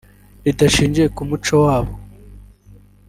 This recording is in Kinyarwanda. ridashingiye ku muco wabo